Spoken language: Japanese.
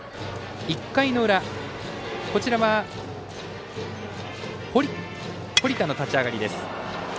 １回の裏、こちらは堀田の立ち上がりです。